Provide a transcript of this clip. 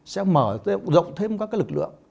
sẽ mở rộng thêm các cái lực lượng